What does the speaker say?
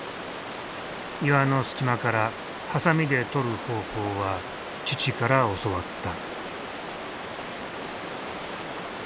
岩の隙間からハサミでとる方法は父から教わった。